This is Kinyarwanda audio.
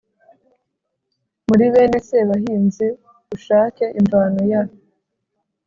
muri bene sebahinzi. ushake imvano ya...